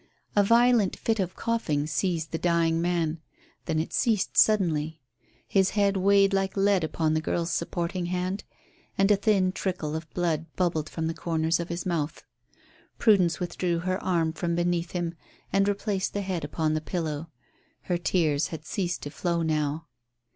A violent fit of coughing seized the dying man, then it ceased suddenly. His head weighed like lead upon the girl's supporting hand, and a thin trickle of blood bubbled from the corners of his mouth. Prudence withdrew her arm from beneath him and replaced the head upon the pillow. Her tears had ceased to flow now.